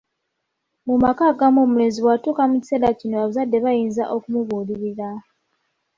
Mu maka agamu omulenzi bwatuuka mu kiseera kino abazadde bayinza okumubuulirira.